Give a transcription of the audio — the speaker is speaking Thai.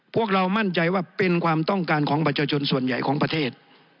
พวกเรามั่นใจว่าเป็นความต้องการของประชาชนส่วนใหญ่ของประเทศ